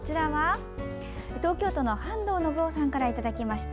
東京都の半藤信夫さんからいただきました。